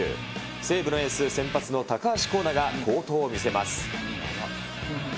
西武のエース、先発の高橋光成が好投を見せます。